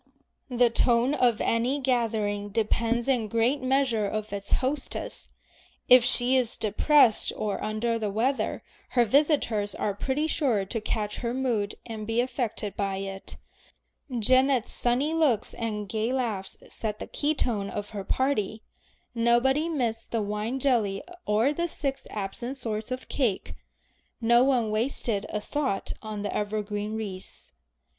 The tone of any gathering depends in great measure on its hostess. If she is depressed or under the weather, her visitors are pretty sure to catch her mood and be affected by it. Janet's sunny looks and gay laughs set the key note of her party. Nobody missed the wine jelly or the six absent sorts of cake, no one wasted a thought on the evergreen wreaths.